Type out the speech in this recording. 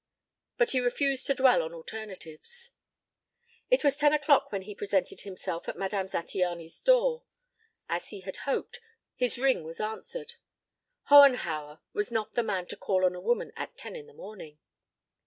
But he refused to dwell on alternatives. It was ten o'clock when he presented himself at Madame Zattiany's door. As he had hoped, his ring was answered. Hohenhauer was not the man to call on a woman at ten in the morning.